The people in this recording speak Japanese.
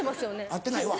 合ってないわ。